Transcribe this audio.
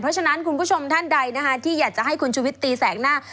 เพราะฉะนั้นคุณผู้ชมท่านใดนะคะที่อยากจะให้คุณชุวิตตีแสกหน้า